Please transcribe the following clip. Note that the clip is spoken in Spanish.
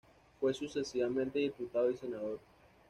Fue sucesivamente Diputado y Senador.